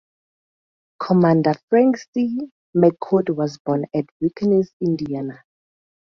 Commander Frank C. McCord was born at Vincennes, Indiana.